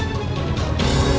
aku mau ke rumah